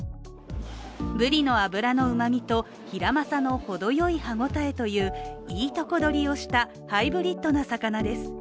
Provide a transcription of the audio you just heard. ブリの脂のうまみとヒラマサのほどよい歯ごたえといういいとこ取りをした、ハイブリッドな魚です。